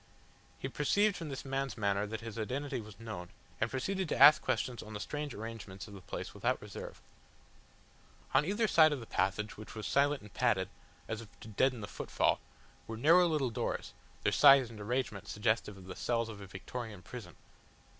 He perceived from this man's manner that his identity was known, and proceeded to ask questions on the strange arrangements of the place without reserve. On either side of the passage, which was silent and padded, as if to deaden the footfall, were narrow little doors, their size and arrangement suggestive of the cells of a Victorian prison.